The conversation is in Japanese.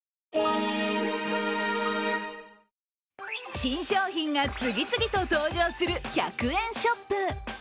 新商品が次々と登場する１００円ショップ。